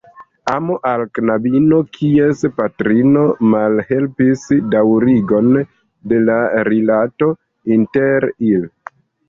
Amo al knabino, kies patrino malhelpis daŭrigon de la rilato inter ili.